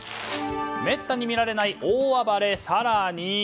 めったに見られない大暴れ更に。